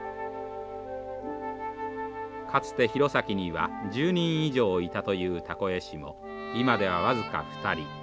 かつて弘前には１０人以上いたというたこ絵師も今では僅か２人。